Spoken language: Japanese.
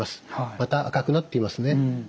また赤くなっていますね。